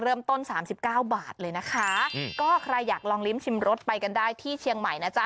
เริ่มต้นสามสิบเก้าบาทเลยนะคะก็ใครอยากลองลิ้มชิมรสไปกันได้ที่เชียงใหม่นะจ๊